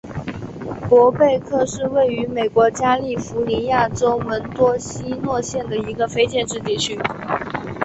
伯贝克是位于美国加利福尼亚州门多西诺县的一个非建制地区。